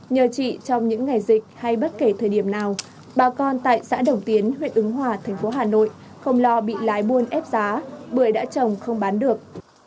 nhờ chị trong những ngày dịch hay bất kể thời điểm nào bà con tại xã đồng tiến huyện ứng hòa thành phố hà nội không lo bị lái buôn ép giá bởi đã trồng không bán được